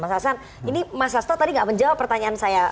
mas sasan ini mas sasan tadi enggak menjawab pertanyaan saya